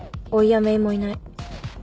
おいやめいもいない。